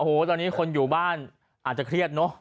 โอ้โหตอนนี้คนอยู่บ้านอาจจะเครียดเนอะ